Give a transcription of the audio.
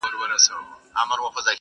چي خروښیږي له کونړه تر ارغنده تر هلمنده؛